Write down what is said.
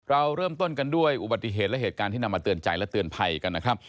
เราเริ่มต้นกันด้วยอุบัติเหตุและเหตุการณ์ที่นำมาเตือนใจและเตือนภัยกันนะครับ